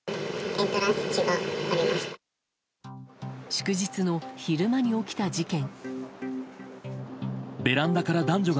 祝日の昼間に起きた事件。